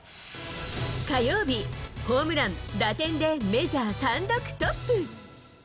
火曜日、ホームラン、打点でメジャー単独トップ。